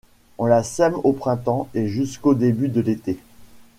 On la sème au printemps, et jusqu'au début de l'été.